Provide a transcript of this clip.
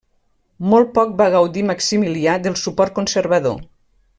Molt poc va gaudir Maximilià del suport conservador.